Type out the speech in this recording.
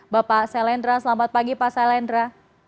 bapak selendra selamat pagi pak selendra